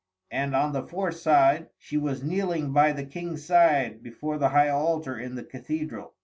And on the fourth side she was kneeling by the King's side before the high altar in the cathedral.